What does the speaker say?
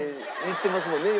言ってますもんね